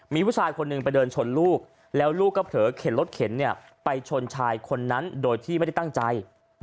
มีผู้ชายคนหนึ่งไปเดินชนลูกแล้วลูกก็เผลอเข็นรถเข็นไปชนชายคนนั้นโดยที่ไม่ได้ตั้งใจ